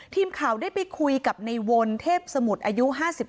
ทีมข่าวได้ไปคุยกับในวนเทพสมุทรอายุ๕๗